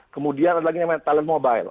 kemudian ada lagi namanya talent mobile